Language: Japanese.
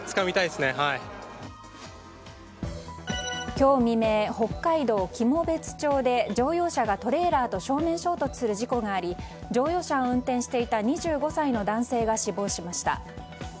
今日未明、北海道喜茂別町で乗用車がトレーラーと正面衝突する事故があり乗用車を運転していた２５歳の男性が死亡しました。